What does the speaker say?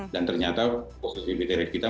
dan ternyata positivity rate kita